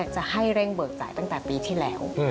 จะให้เร่งเบิกจ่ายตั้งแต่ปีที่แล้ว